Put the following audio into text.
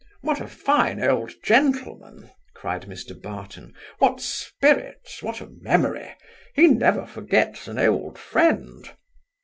'What a fine old gentleman! (cried Mr Barton) what spirits! what a memory! He never forgets an old friend.